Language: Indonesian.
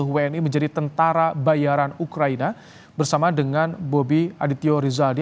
sepuluh wni menjadi tentara bayaran ukraina bersama dengan bobi adityo rizaldi